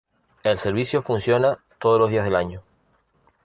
El servicio funciona todos los días del año.